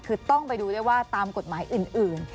คือต้องไปดูด้วยว่าตามกฎหมายอื่น